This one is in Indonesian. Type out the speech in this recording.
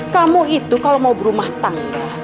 kamu itu kalau mau berumah tangga